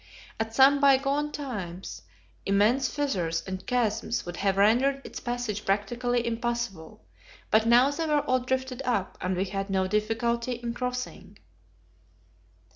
At some bygone time immense fissures and chasms would have rendered its passage practically impossible, but now they were all drifted up, and we had no difficulty in crossing.